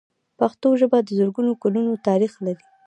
پښتو ژبه د زرګونو کلونو تاریخ لري.